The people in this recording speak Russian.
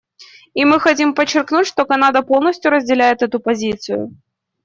И мы хотим подчеркнуть, что Канада полностью разделяет эту позицию.